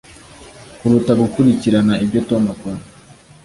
kuruta gukurikirana ibyo Tom akora